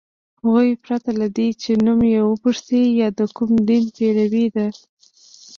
هغوی پرته له دې چي نوم یې وپوښتي یا د کوم دین پیروۍ ده